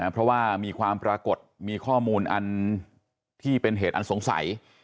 เพราะว่ามีความปรากฏมีข้อมูลอันที่เป็นเหตุอันสงสัย